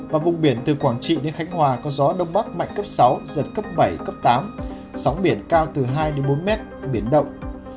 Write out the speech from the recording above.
và vùng biển từ quảng trị đến khánh hòa có gió đông bắc mạnh cấp sáu giật cấp bảy cấp tám sóng biển cao từ hai bốn mét biển động